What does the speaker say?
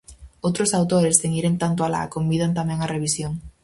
Outros autores, sen iren tanto alá, convidan tamén á revisión.